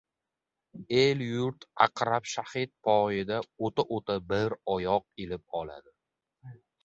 El-yurt Aqrab shahid poyidan o‘ta-o‘ta bir oyoq ilib oladi.